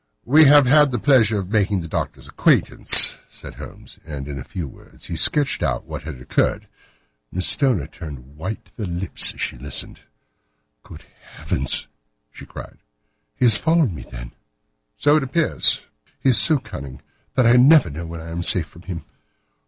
"We have had the pleasure of making the Doctor's acquaintance," said Holmes, and in a few words he sketched out what had occurred. Miss Stoner turned white to the lips as she listened. "Good heavens!" she cried, "he has followed me, then." "So it appears." "He is so cunning that I never know when I am safe from him.